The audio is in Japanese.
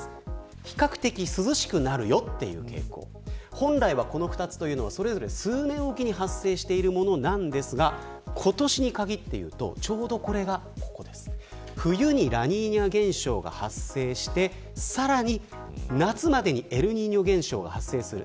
本来はこの２つはそれぞれ数年おきに発生しているものなんですが今年に限っていうとちょうどこれが冬にラニーニャ現象が発生してさらに夏までにエルニーニョ現象が発生する。